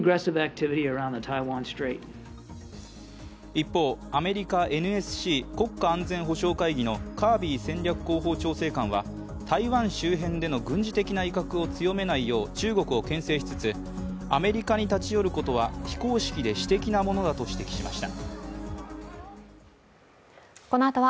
一方、アメリカＮＳＣ＝国家安全保障会議のカービー戦略広報調整官は台湾周辺での軍事的威嚇を強めないよう中国をけん制しつつアメリカに立ち寄ることは非公式で私的なものだと指摘しました。